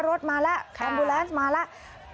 รถมาแล้วแคมบูแลนซ์มาแล้ว